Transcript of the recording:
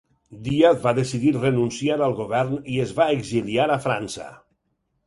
Díaz va decidir renunciar al govern i es va exiliar a França.